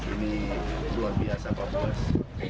ini luar biasa pak puas